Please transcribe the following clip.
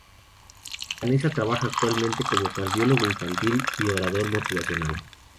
Canessa trabaja actualmente como cardiólogo infantil y orador motivacional.